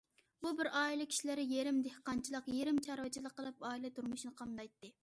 بۇ بىر ئائىلە كىشىلىرى يېرىم دېھقانچىلىق، يېرىم چارۋىچىلىق قىلىپ ئائىلە تۇرمۇشىنى قامدايتتى.